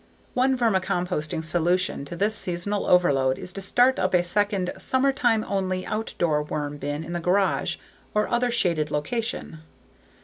One vermicomposting solution to this seasonal overload is to start up a second, summertime only outdoor worm bin in the garage or other shaded location.